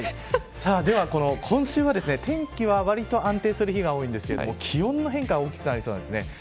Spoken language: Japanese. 今週は天気はわりと安定する日が多いんですけれども気温の変化が大きくなりそうです。